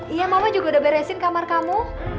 iya mama juga udah beresin kamar kamu